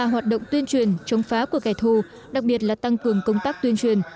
hoạt động tuyên truyền chống phá của kẻ thù đặc biệt là tăng cường công tác tuyên truyền